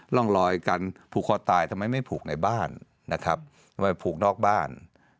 ร่องรอยการผูกคอตายทำไมไม่ผูกในบ้านนะครับทำไมผูกนอกบ้าน